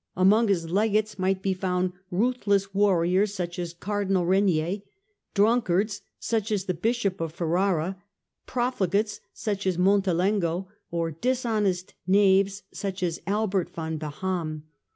Among his Legates might be found ruthless warriors, such as the Cardinal Regnier ; drunkards, such as the Bishop of Ferrara ; profligates, such as Montelengo ; or dishonest knaves, such as Albert von Beham.